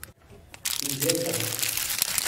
une vieille vache.